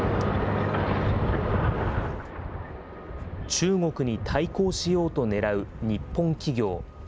中国に対抗しようとねらう日本企業。